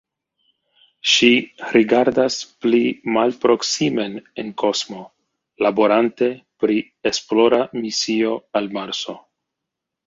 Ŝi rigardas pli malproksimen en kosmo, laborante pri esplora misio al Marso.